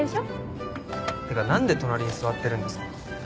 ってか何で隣に座ってるんですか？